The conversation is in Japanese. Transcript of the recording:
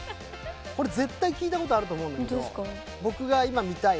これ絶対聴いたことあると思うんだけど僕が今見たい曲はですね